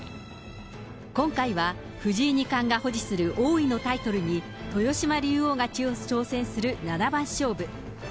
今回は、藤井二冠が保持する王位のタイトルに、豊島竜王が挑戦する七番勝負。